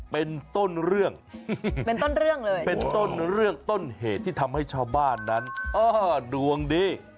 เป็นต้นเรื่องเป็นต้นเรื่องเลยเป็นต้นเรื่องต้นเหตุที่ทำให้ชาวบ้านนั้นดวงดี